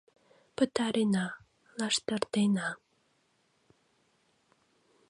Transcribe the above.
Пытарена, лаштыртена!..